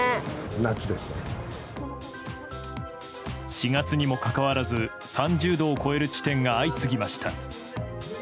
４月にもかかわらず３０度を超える地点が相次ぎました。